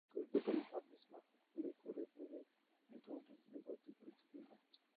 ঝিনুকের দোকান, বার্মিজ মার্কেটগুলোয় ঘুরে ঘুরে এটা-ওটা কিনে ভর্তি করেছে দুহাত।